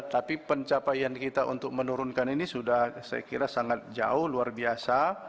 tapi pencapaian kita untuk menurunkan ini sudah saya kira sangat jauh luar biasa